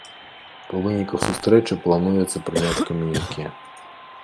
Па выніках сустрэчы плануецца прыняць камюніке.